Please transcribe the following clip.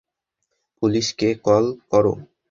Police কে call কর।